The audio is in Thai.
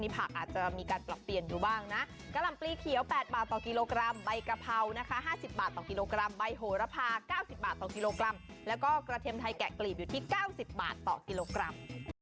แปดบาทต่อกิโลกรัมใบกะเพรานะคะห้าสิบบาทต่อกิโลกรัมใบโหระพาเก้าสิบบาทต่อกิโลกรัมแล้วก็กระเท็มไทยแกะกลีบอยู่ที่เก้าสิบบาทต่อกิโลกรัม